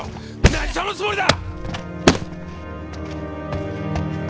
何様のつもりだ！